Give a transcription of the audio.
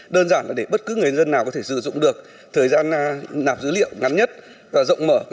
đơn giản là để bất cứ người dân nào có thể sử dụng được thời gian nạp dữ liệu ngắn nhất và rộng mở